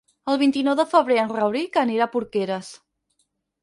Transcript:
El vint-i-nou de febrer en Rauric anirà a Porqueres.